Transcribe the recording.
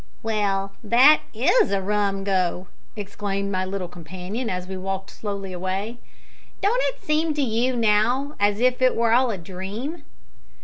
"Yell, that is a rum go!" exclaimed my little companion, as we walked slowly away. "Don't it seem to you, now, as if it wor all a dream?"